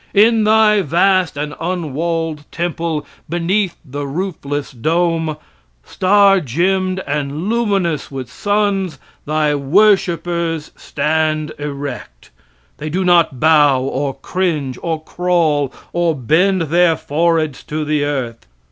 In thy vast and unwalled temple, beneath the roofless dome, star gemmed and luminous with suns, thy worshipers stand erect. They do not bow or cringe or crawl or bend their foreheads to the earth.